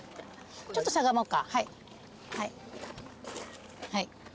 ちょっとしゃがもうか。